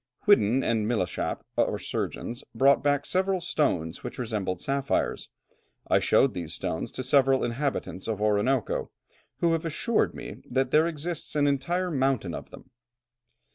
Whiddon and Milechappe, our surgeon, brought back several stones which resembled sapphires. I showed these stones to several inhabitants of Orinoco, who have assured me that there exists an entire mountain of them."